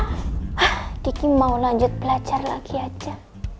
gigi mau lanjut belajar lagi aja